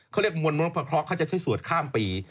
เขาเรียกว่ามวลมนตร์พระครองเขาจะใช้สวดข้ามปี